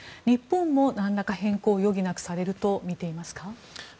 日本も何らか変更を余儀なくされるとみていますか？